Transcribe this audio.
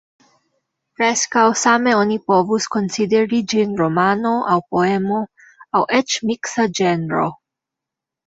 Preskaŭ same oni povus konsideri ĝin romano aŭ poemo, aŭ eĉ miksa ĝenro.